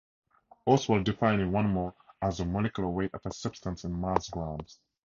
Ostwald defined one mole as the molecular weight of a substance in mass grams.